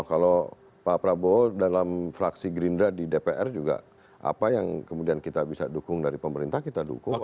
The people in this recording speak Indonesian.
kalau pak prabowo dalam fraksi gerindra di dpr juga apa yang kemudian kita bisa dukung dari pemerintah kita dukung